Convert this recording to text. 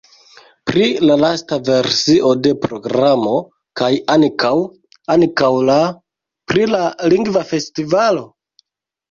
Pri la lasta versio de programo kaj ankaŭ... ankaŭ la... pri la lingva festivalo?